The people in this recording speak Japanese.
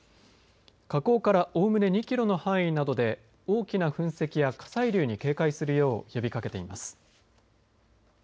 火口からおおむね２キロの範囲などで大きな噴石や火砕流に警戒するよう呼びかけています。